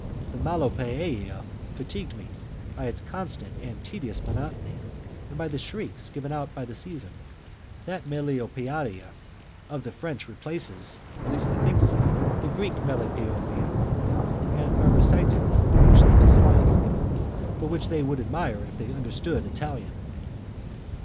The melopaeia fatigued me by its constant and tedious monotony, and by the shrieks given out of season. That melopaeia, of the French replaces at least they think so the Greek melapaeia and our recitative which they dislike, but which they would admire if they understood Italian.